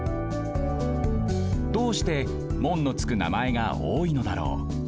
どうして「門」のつくなまえがおおいのだろう。